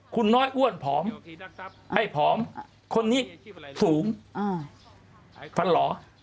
คุณน้อยอ้วนผอมไอ้ผอมคนนี้สูงฟันหล่อ